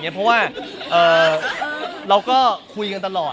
เพราะว่าเราก็คุยกันตลอด